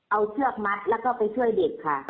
เอาเชือกมัดแล้วก็ไปช่วยเด็กค่ะ